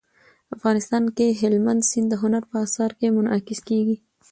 افغانستان کې هلمند سیند د هنر په اثار کې منعکس کېږي.